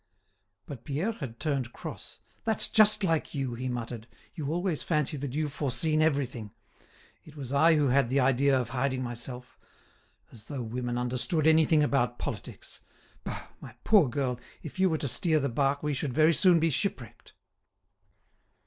But Pierre had turned cross. "That's just like you!" he muttered; "you always fancy that you've foreseen everything. It was I who had the idea of hiding myself. As though women understood anything about politics! Bah, my poor girl, if you were to steer the bark we should very soon be shipwrecked."